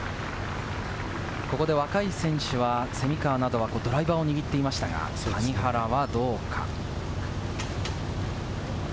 ここで若い選手、蝉川などはドライバーを握っていましたが、谷原はどうか？